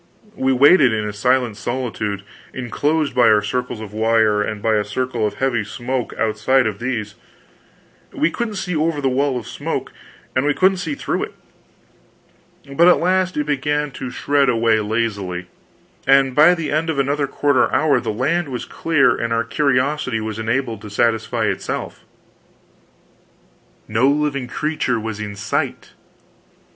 We waited in a silent solitude enclosed by our circles of wire, and by a circle of heavy smoke outside of these. We couldn't see over the wall of smoke, and we couldn't see through it. But at last it began to shred away lazily, and by the end of another quarter hour the land was clear and our curiosity was enabled to satisfy itself. No living creature was in sight!